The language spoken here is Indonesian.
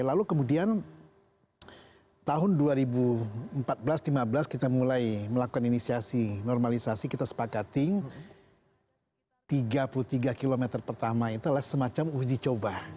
lalu kemudian tahun dua ribu empat belas dua ribu lima belas kita mulai melakukan inisiasi normalisasi kita sepakating tiga puluh tiga km pertama itu adalah semacam uji coba